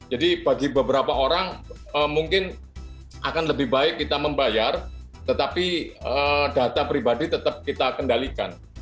jadi bagi beberapa orang mungkin akan lebih baik kita membayar tetapi data pribadi tetap kita kendalikan